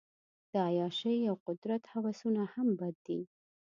د عیاشۍ او قدرت هوسونه هم بد دي.